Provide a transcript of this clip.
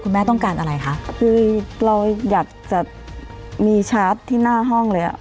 แม่ต้องการอะไรคะคือเราอยากจะมีชาร์จที่หน้าห้องเลยอ่ะ